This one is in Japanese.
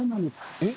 えっ？